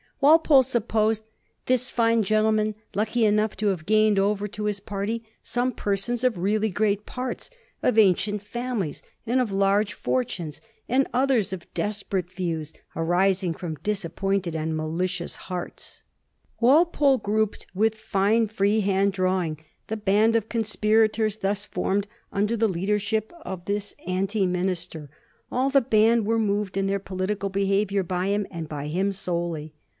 16 A HISTORY OF THE FOUR GEORGES. ch. xxl Walpole supposed " this fine gentleman lucky enoagh to have gained over to his party some persons of really great parts, of ancient families, and of large fortunes, and oth ers of desperate views, arising from disappointed and malicious hearts." Walpole grouped with fine freehand drawing the band of conspirators thus formed under thff leadership of this anti minister. All the band were moved in their political behavior by him, and by him solely.